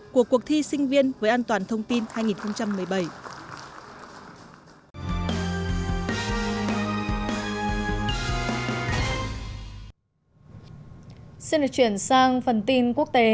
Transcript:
của cuộc thi sinh viên với an toàn thông tin hai nghìn một mươi bảy